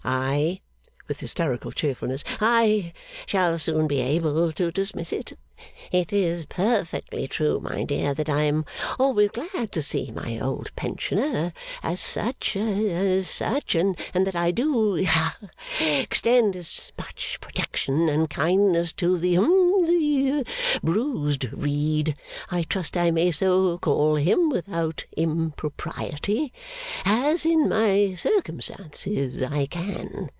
I,' with hysterical cheerfulness, 'I shall soon be able to dismiss it. It is perfectly true, my dear, that I am always glad to see my old pensioner as such, as such and that I do ha extend as much protection and kindness to the hum the bruised reed I trust I may so call him without impropriety as in my circumstances, I can.